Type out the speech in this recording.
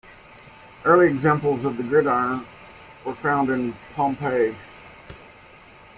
Early examples of the gridiron were found in Pompeii.